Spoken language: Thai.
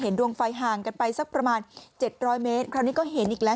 เห็นดวงไฟห่างกันไปสักประมาณเจ็ดร้อยเมตรคราวนี้ก็เห็นอีกแล้ว